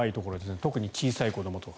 特に小さい子どもは。